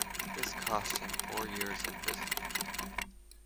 This cost him four years in prison.